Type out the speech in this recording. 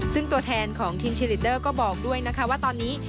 ซึ่งตัวแทนของทีมเชลิเตอร์ก็บอกด้วยนะคะว่าตอนนี้